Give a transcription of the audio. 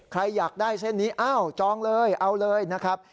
ใครอยากได้เส้นนี้อ้าวจองเลยเอาเลยนะครับ